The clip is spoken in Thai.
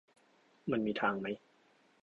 มันมีทางไหม